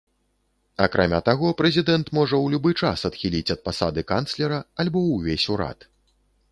Акрамя таго, прэзідэнт можа ў любы час адхіліць ад пасады канцлера альбо ўвесь урад.